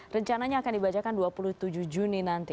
rencananya akan dibacakan dua puluh tujuh juni nanti